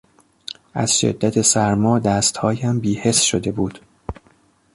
از شدت سرما دستهایم بیحس شده بود.